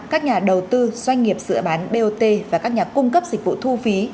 các nhà đầu tư doanh nghiệp sửa bán bot và các nhà cung cấp dịch vụ thu phí